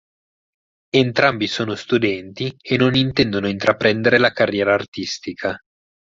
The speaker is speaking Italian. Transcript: Entrambi sono studenti e non intendono intraprendere la carriera artistica.